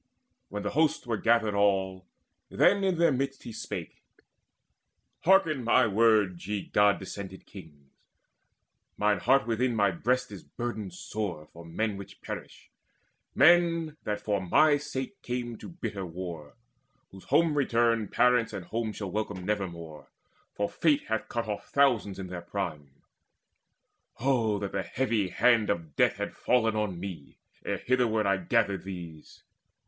When the host Were gathered all, then in their midst he spake: "Hearken my words, ye god descended kings: Mine heart within my breast is burdened sore For men which perish, men that for my sake Came to the bitter war, whose home return Parents and home shall welcome nevermore; For Fate hath cut off thousands in their prime. Oh that the heavy hand of death had fallen On me, ere hitherward I gathered these!